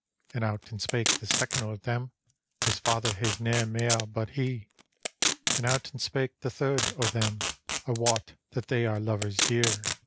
And out and spake the second o' them, " His father has nae mair but he." And out and spake the third o' them, " I wot that they are lovers dear."